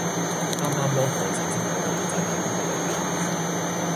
啱啱幫我搜身嗰個女仔係邊個嚟㗎？